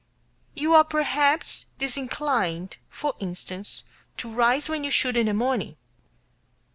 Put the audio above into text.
You are perhaps disinclined, for instance, to rise when you should in the morning.